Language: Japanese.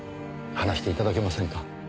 話して頂けませんか？